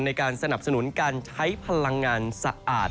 ในการสนับสนุนการใช้พลังงานสะอาด